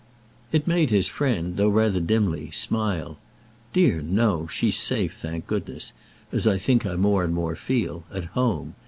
It made his friend—though rather dimly—smile. "Dear no; she's safe, thank goodness—as I think I more and more feel—at home.